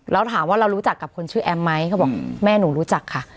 แล้วถามว่าเรารู้จักกับคนชื่อแอมไหมเขาบอกแม่หนูรู้จักค่ะ